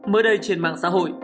mới đây trên mạng xã hội